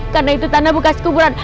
karena itu tanah bekas kuburan